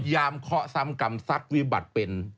ค่อยอย่างคอซามกรรมซักวิบัติเป็น